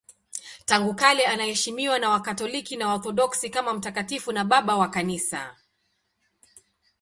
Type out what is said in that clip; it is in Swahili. Tangu kale anaheshimiwa na Wakatoliki na Waorthodoksi kama mtakatifu na Baba wa Kanisa.